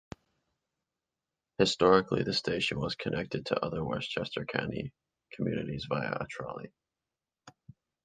Historically, the station was connected to other Westchester County communities via a trolley.